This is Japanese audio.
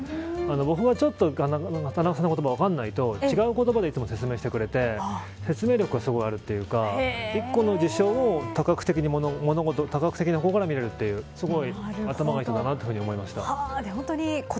僕は、ちょっと田中さんのことが分からないと違う言葉でいつも説明してくれて説明力がすごくあるというか１個の事象を多角的なところから見ているというすごい頭がいい人だと思いました。